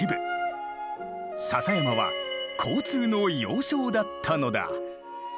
篠山は交通の要衝だったのだ。